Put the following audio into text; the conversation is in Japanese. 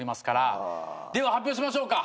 では発表しましょうか。